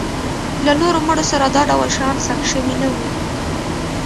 له نورو مړو سره دا ډول شیان ښخ شوي نه وو.